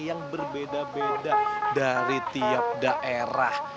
yang berbeda beda dari tiap daerah